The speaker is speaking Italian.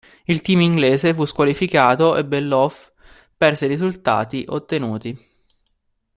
Il team inglese fu squalificato e Bellof perse i risultati ottenuti.